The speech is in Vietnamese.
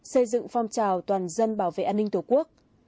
xây dựng phong trào toàn dân bảo vệ an ninh tổ quốc